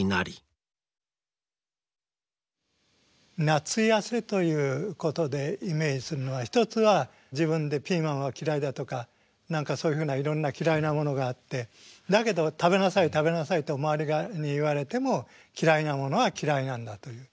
夏痩せということでイメージするのは一つは自分でピーマンは嫌いだとか何かそういうふうないろんな嫌いなものがあってだけど食べなさい食べなさいと周りに言われても嫌いなものは嫌いなんだという。